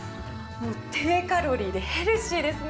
もう低カロリーでヘルシーですね。